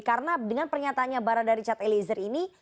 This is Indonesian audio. karena dengan pernyataannya barada richard eliezer ini